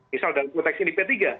misal dalam konteks ini p tiga